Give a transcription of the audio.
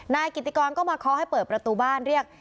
นายกิติกรก็มาเคาะให้เปิดประตูบ้านเรียก